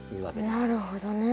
なるほどね。